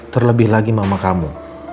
terlebih lagi mama kamu